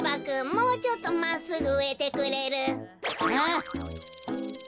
もうちょっとまっすぐうえてくれる？は？